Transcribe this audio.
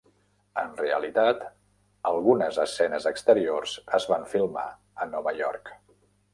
En realitat, algunes escenes exteriors es van filmar a Nova York.